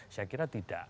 saya kira tidak